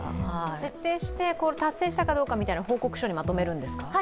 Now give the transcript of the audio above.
設定して達成したかどうかみたいなのは報告書にまとめるんですか？